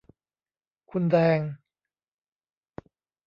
คุณแดง